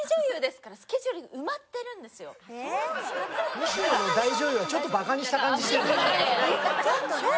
西野の大女優はちょっとバカにした感じしてんだよねなんか。